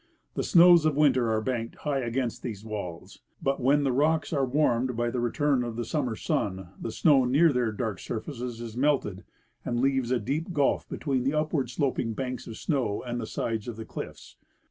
The snows of winter are banked high against these walls, but when the rocks are warmed by the return of the summer's sun the snow near their dark surfaces is melted, and leaves a deep gulf between the up ward sloping banks of snow and the sides of the cliffs.